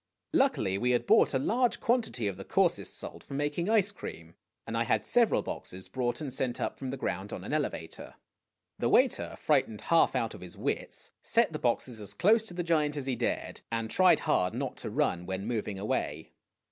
Luckily we had bought a large quantity of the coarsest salt for making ice cream, and I had several boxes brought, and sent up from the ground on an elevator. O The waiter, frightened half out of his wits, set the boxes as close to the giant as he dared, and tried hard not to run when moving away.